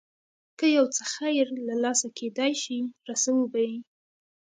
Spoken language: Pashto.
که یو څه خیر له لاسه کېدای شي رسوو به یې.